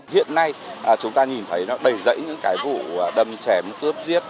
hiện nay chúng ta nhìn thấy nó đầy rẫy những cái vụ đâm chém ướp giết